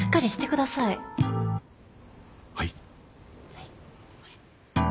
はい。